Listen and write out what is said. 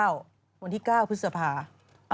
วันที่๙พฤษภา